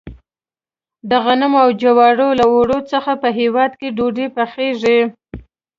د غنمو او جوارو له اوړو څخه په هیواد کې ډوډۍ پخیږي.